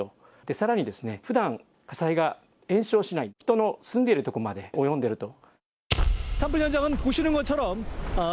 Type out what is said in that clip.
さらにふだん、火災が延焼しない、人の住んでいる所まで及んでいると。